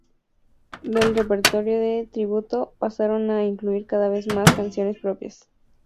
Del repertorio de tributo, pasaron a incluir cada vez más canciones propias.